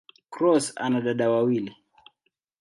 Cross ana dada wawili.